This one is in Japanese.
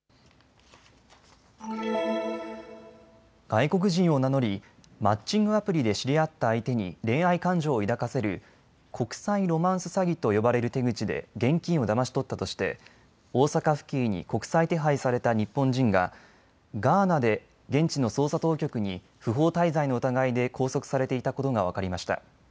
外国人を名乗りマッチングアプリで知り合った相手に恋愛感情を抱かせる国際ロマンス詐欺と呼ばれる手口で現金をだまし取ったとして大阪府警に国際手配された日本人がガーナで現地の捜査当局に不法滞在の疑いで拘束されていたことが分かりました。